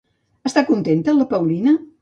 Està contenta la Paulina?